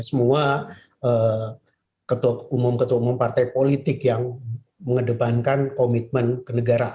semua ketua umum ketua umum partai politik yang mengedepankan komitmen ke negara ini